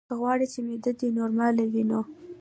که غواړې چې معده دې نورماله وي نو: